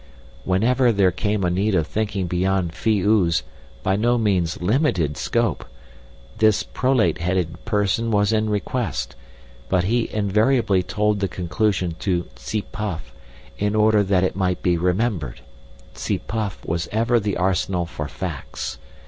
Whenever there came a need of thinking beyond Phi oo's by no means limited scope, this prolate headed person was in request, but he invariably told the conclusion to Tsi puff, in order that it might be remembered; Tsi puff was ever the arsenal for facts.